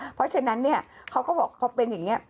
เพราะฉะนั้นเขาก็บอกเขาเป็นอย่างนี้